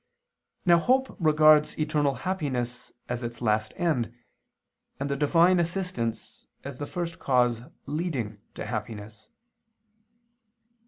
Now hope regards eternal happiness as its last end, and the Divine assistance as the first cause leading to happiness.